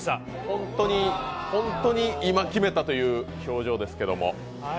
本当に、本当に今、決めたという表情ですけれども。